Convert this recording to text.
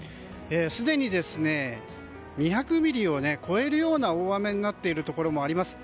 すでに２００ミリを超えるような大雨になっているところもあります。